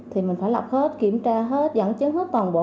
thì mình phải lọc hết kiểm tra hết dẫn chứng hết toàn bộ